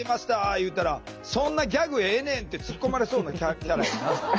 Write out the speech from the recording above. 言うたら「そんなギャグええねん」って突っ込まれそうなキャラやな。